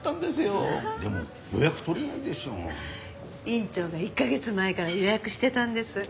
院長が１カ月前から予約してたんです。